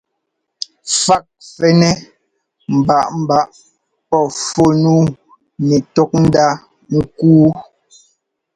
Fák fɛ́nɛ́ mbaꞌámbaꞌá pɔ́ fú nǔu nɛtɔ́kndá ŋ́kúu.